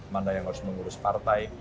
mana yang harus mengurus partai